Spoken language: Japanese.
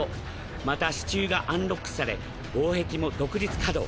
また支柱がアンロックされ防壁も独立可動。